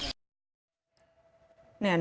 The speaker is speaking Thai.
ไม่รู้ครับ